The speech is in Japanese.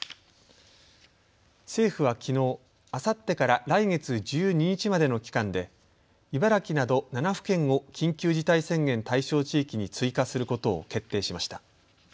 政府はきのう、あさってから来月１２日までの期間で茨城など７府県を緊急事態宣言対象地域に追加することを決定しました。